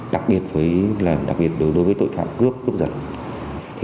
đặc biệt đối với tội phạm cướp cướp giật